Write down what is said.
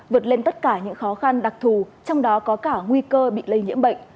vượt lên tất cả những khó khăn đặc thù trong đó có cả nguy cơ bị lây nhiễm bệnh